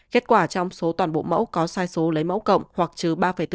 kết quả trong số toàn bộ mẫu có sai số lấy mẫu cộng hoặc trừ ba bốn